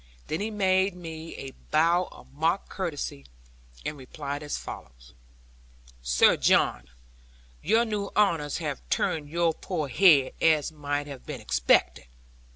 Then he made me a bow of mock courtesy, and replied as follows, 'Sir John, your new honours have turned your poor head, as might have been expected.